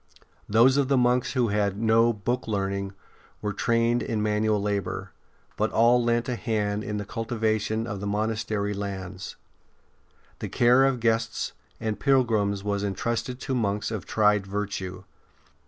Those of the monks who had no '' book learning " were trained in manual labour; but all lent a hand in the cultivation of the monastery lands. The care of guests and pilgrims was en trusted to monks of tried virtue.